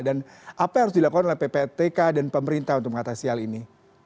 dan apa yang harus dilakukan oleh pptk dan pemerintah untuk mengatasi hal ini